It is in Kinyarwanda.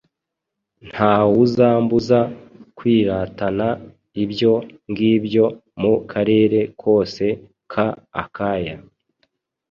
nta wuzambuza kwiratana ibyo ngibyo mu karere kose ka Akaya.”